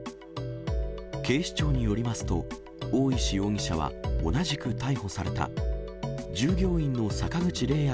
警視庁によりますと、大石容疑者は同じく逮捕された従業員の坂口怜也